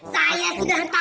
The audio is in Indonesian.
saya sudah tahu